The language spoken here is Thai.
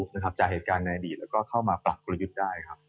จากเหตุการณ์ในอดีตแล้วก็เข้ามาปรับกลยุทธ์ได้ครับ